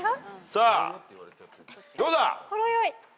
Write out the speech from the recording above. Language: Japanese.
さあどうだ？